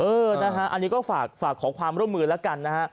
นะฮะอันนี้ก็ฝากขอความร่วมมือแล้วกันนะฮะ